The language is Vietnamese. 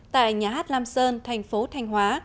tại nhà hát lam sơn thành phố thanh hóa